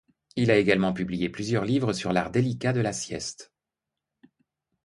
Il a également publié plusieurs livres sur l'art délicat de la sieste.